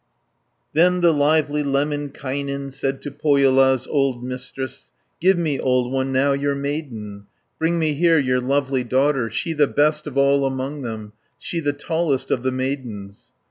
Then the lively Lemminkainen Said to Pohjola's old Mistress, "Give me, old one, now your maiden, Bring me here your lovely daughter, She the best of all among them, She the tallest of the maidens."